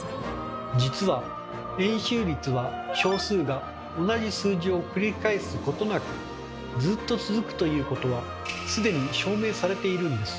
実は円周率は小数が「同じ数字を繰り返すことなくずっと続く」ということは既に証明されているんです。